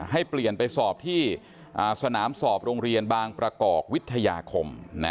ให้เปลี่ยนไปสอบที่สนามสอบโรงเรียนบางประกอบวิทยาคม